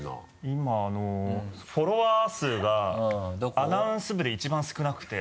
今あのフォロワー数がアナウンス部で一番少なくて。